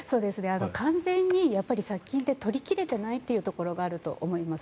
完全に雑菌って取り切れていないところがあると思います。